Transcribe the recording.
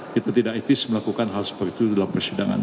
kita tidak etis melakukan hal seperti itu dalam persidangan